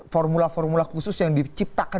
formula formula khusus yang diciptakan